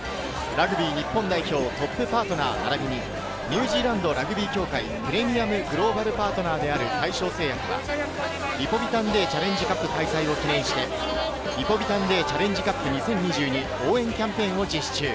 ラグビー日本代表トップパートナー並びにニュージーランドラグビー協会プレミアムグローバルパートナーである大正製薬は、リポビタンＤチャレンジカップ開催を記念して、リポビタンＤチャレンジカップ２０２２応援キャンペーンを実施中。